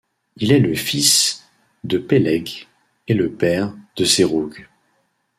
Il est le fils de Péleg et le père de Seroug.